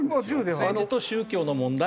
政治と宗教の問題。